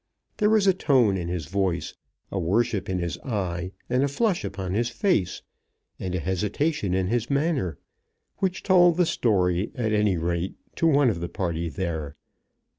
There was a tone in his voice, a worship in his eye, and a flush upon his face, and a hesitation in his manner, which told the story, at any rate to one of the party there.